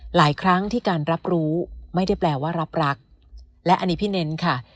หลายครั้งที่การรับรู้ไม่ได้แปลว่ารับรักและอันนี้พี่เน้นค่ะ